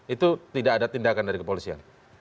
itu tidak ada tindakan dari kepolisian